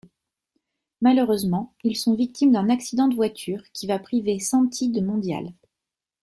Malheureusement, ils sont victimes d'un accident de voiture qui va priver Santi de Mondial.